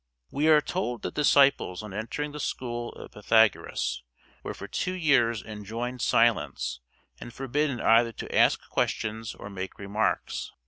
We are told that disciples on entering the school of Pythagoras were for two years enjoined silence, and forbidden either to ask questions or make remarks.